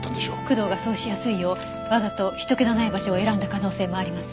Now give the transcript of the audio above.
工藤がそうしやすいようわざと人けのない場所を選んだ可能性もあります。